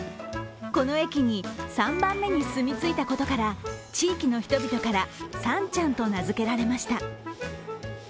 この駅に３番目に住み着いたことから地域の人々から、さんちゃんと名付けられました。